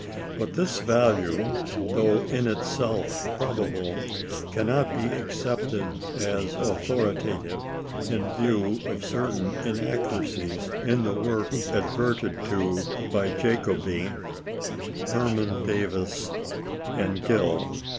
But this value, though in itself probable, cannot be accepted as authoritative, in view of certain inaccuracies in the work adverted to by Jacoby, Hermann Davis, and Gill.